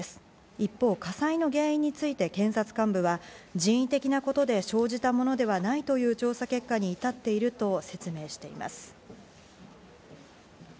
一方、火災の原因について検察幹部は人為的なことで生じたものではないという調査結果に至っていると説明しています。